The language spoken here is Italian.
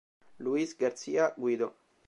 Luis García Guido